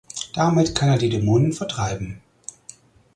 Damit kann er die Dämonen vertreiben.